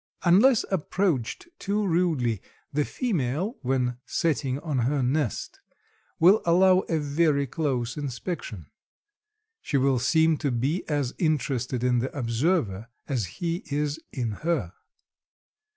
Unless approached too rudely, the female when setting on her nest will allow a very close inspection. She will seem to be as interested in the observer as he is in her.